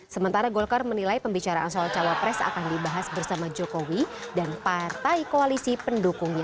sementara golkar menilai pembicaraan soal cawapres akan dibahas bersama jokowi dan partai koalisi pendukungnya